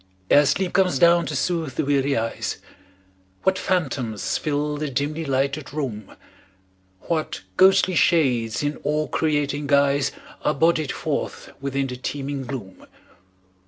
Ere sleep comes down to soothe the weary eyes, What phantoms fill the dimly lighted room; What ghostly shades in awe creating guise Are bodied forth within the teeming gloom.